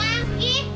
pergi deh pergi